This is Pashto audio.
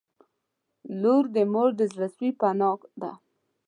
• لور د مور د زړسوي پناه ده.